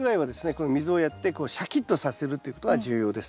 この水をやってシャキッとさせるということが重要です。